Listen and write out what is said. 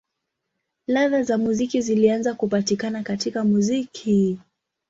Ladha za muziki zilianza kupatikana katika muziki.